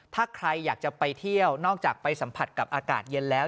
ถ้าใครอยากจะไปเที่ยวนอกจากไปสัมผัสกับอากาศเย็นแล้ว